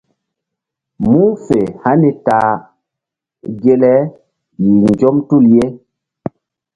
Mu̧h fe hani ta ge le yih nzɔm tul ye.